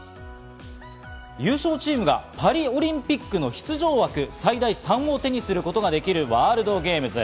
優勝チームがパリオリンピックの出場枠最大３を手にすることができるワールドゲームズ。